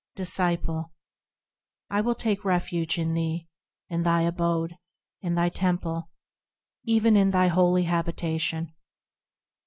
Disciple. I will take refuge in thee ; In thy abode ; In thy temple ; Yea, even in thy holy habitation.